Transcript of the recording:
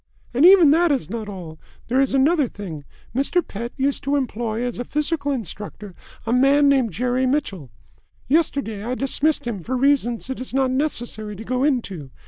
"And even that is not all. There is another thing. Mr. Pett used to employ as a physical instructor a man named Jerry Mitchell. Yesterday I dismissed him for reasons it is not necessary to go into.